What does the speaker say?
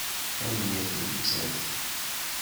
Tanemmirt i nettat.